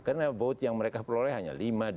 karena vote yang mereka peroleh hanya lima dua satu